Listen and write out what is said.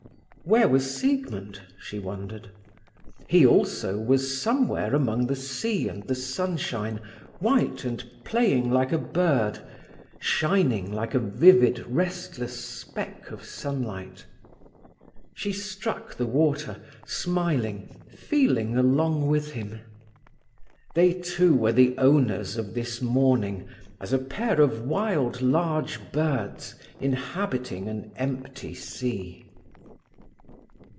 Where was Siegmund? she wondered. He also was somewhere among the sea and the sunshine, white and playing like a bird, shining like a vivid, restless speck of sunlight. She struck the water, smiling, feeling along with him. They two were the owners of this morning, as a pair of wild, large birds inhabiting an empty sea.